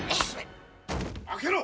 ・開けろ！